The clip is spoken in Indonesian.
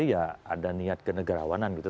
ya ada niat kenegarawanan gitu